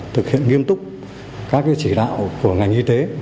thực hiện nghiêm túc các chỉ đạo của ngành y tế